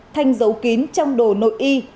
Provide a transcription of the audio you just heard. thanh giấu kín trong đồ nội y